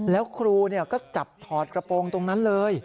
แล้วครูก็จับถอดกระโปรงตรงนั้นเลย